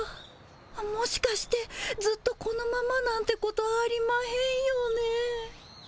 あっもしかしてずっとこのままなんてことありまへんよね。